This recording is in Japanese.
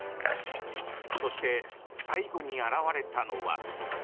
そして、最後に現れたのは。